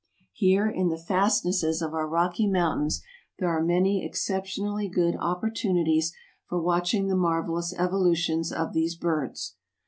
Here in the fastnesses of our Rocky Mountains there are many exceptionally good opportunities for watching the marvelous evolutions of these birds.